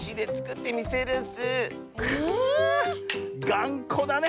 ⁉がんこだね